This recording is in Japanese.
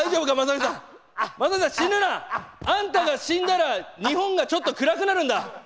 雅紀さん、死ぬな！あんたが死んだら日本がちょっと暗くなるんだ。